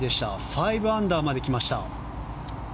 ５アンダーまできました。